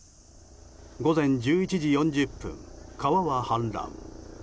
午前１１時４０分、川は氾濫。